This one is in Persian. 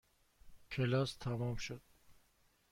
کلاس تمام شد.